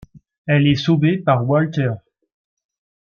Elle est sauvée par Walter.